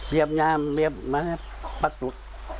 เยี๊บหยามเรี๊บมาพัดตุ๊ก